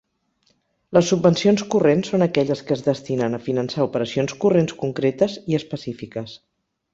Les subvencions corrents són aquelles que es destinen a finançar operacions corrents concretes i específiques.